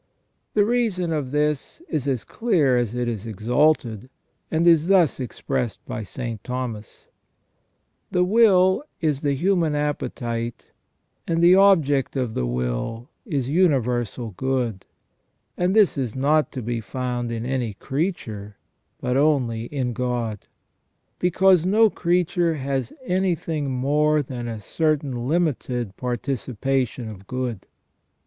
* The reason of this is as clear as it is exalted, and is thus ex pressed by St. Thomas :" The will is the human appetite, and the object of the will is universal good, and this is not to be found in any creature, but only in God ; because no creature has anything more than a certain limited participation of good".